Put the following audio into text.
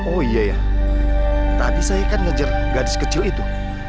oh iya ya tapi saya kan ngejar gadis kecil itu